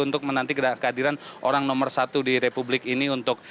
untuk menanti kehadiran orang nomor satu di republik ini untuk